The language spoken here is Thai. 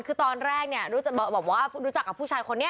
คือตอนแรกเนี่ยบอกว่ารู้จักกับผู้ชายคนนี้